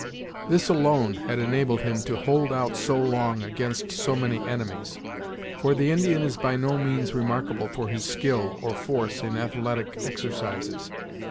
This alone had enabled him to hold out so long, against so many enemies, for the Indian is by no means remarkable for his skill, or force, in athletic exercises.